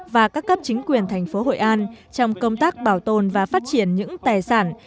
và các cấp chính quyền tp hội an trong công tác bảo tồn và phát triển những tài sản